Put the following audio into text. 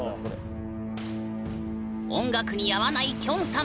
音楽に合わないきょんさん。